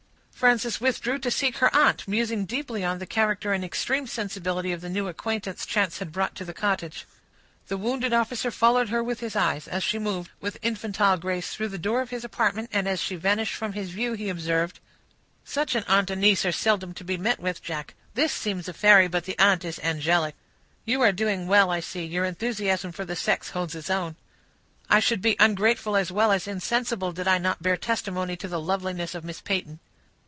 Frances withdrew to seek her aunt, musing deeply on the character and extreme sensibility of the new acquaintance chance had brought to the cottage. The wounded officer followed her with his eyes, as she moved, with infantile grace, through the door of his apartment, and as she vanished from his view, he observed,— "Such an aunt and niece are seldom to be met with, Jack; this seems a fairy, but the aunt is angelic." "You are doing well, I see; your enthusiasm for the sex holds its own." "I should be ungrateful as well as insensible, did I not bear testimony to the loveliness of Miss Peyton."